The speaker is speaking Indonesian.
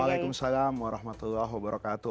waalaikumsalam warahmatullahi wabarakatuh